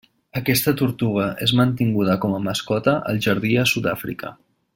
Aquesta tortuga és mantinguda com a mascota al jardí a Sud-àfrica.